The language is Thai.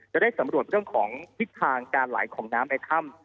จะได้สำรวจเรื่องของทิศทางการไหลของน้ำในถ้ำ